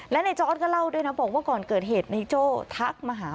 และในจอร์ดก็เล่าด้วยนะบอกว่าก่อนเกิดเหตุในโจ้ทักมาหา